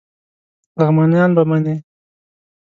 لغمانیان به منی